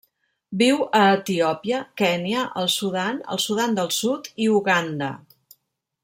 Viu a Etiòpia, Kenya, el Sudan, el Sudan del Sud i Uganda.